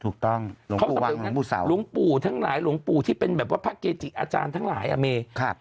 ถูกต้องหลวงปู่วังหลวงปู่เสาหลวงปู่ทั้งหลายหลวงปู่ที่เป็นแบบว่าพระเกจิอาจารย์ทั้งหลายอาเมย์ครับ